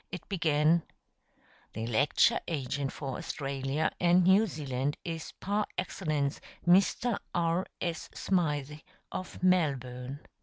It began: "The lecture agent for Australia and New Zealand is par excellence Mr. R. S. Smythe, of Melbourne."